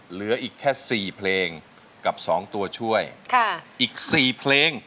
เหลืออีกแค่๔เพลงกับ๒ตัวช่วยอีก๔เพลง